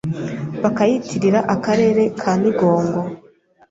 bakayitirira Akarere ka Migongo